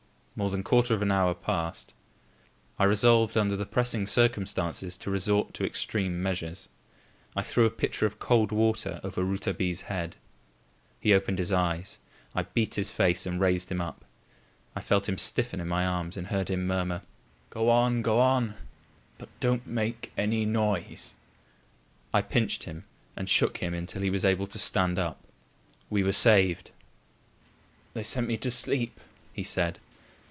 More than a quarter of an hour passed. I resolved, under the pressing circumstances, to resort to extreme measures. I threw a pitcher of cold water over Rouletabille's head. He opened his eyes. I beat his face, and raised him up. I felt him stiffen in my arms and heard him murmur: "Go on, go on; but don't make any noise." I pinched him and shook him until he was able to stand up. We were saved! "They sent me to sleep," he said.